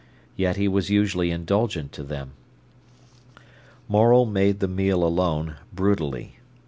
Yet he was usually indulgent to them. Morel made the meal alone, brutally.